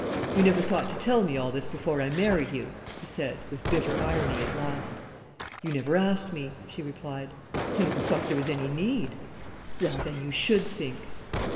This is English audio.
"You never thought to tell me all this before I married you," he said, with bitter irony, at last. "You never asked me," she replied. "I never thought there was any need." "Well, then, you should think."